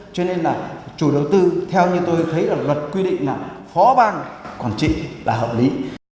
cho nên là chủ đầu tư theo như tôi thấy là luật quy định là phó bang quản trị là hợp lý